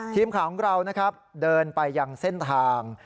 ทีมข่าวของเรานะครับเดินไปยังเส้นทาง